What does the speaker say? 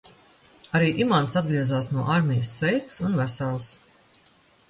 Arī Imants atgriezās no armijas sveiks un vesels.